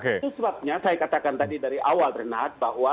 itu sebabnya saya katakan tadi dari awal renat bahwa